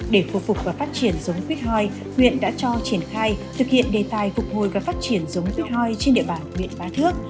để phục vụ và phát triển giống quýt hoi huyện đã cho triển khai thực hiện đề tài phục hôi và phát triển giống quýt hoi trên địa bàn huyện bá thước